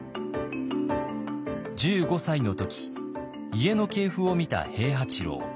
１５歳の時家の系譜を見た平八郎。